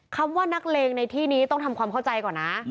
คำว่านักเลงในที่นี้ต้องทำความเข้าใจก่อนนะ